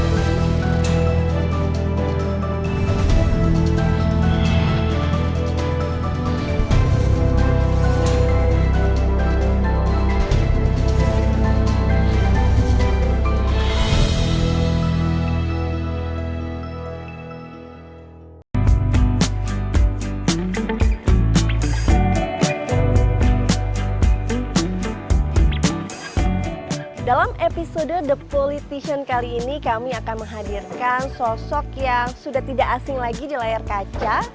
di pembahasan pembahasan kali ini kami akan menghadirkan sosok yang sudah tidak asing lagi di layar kaca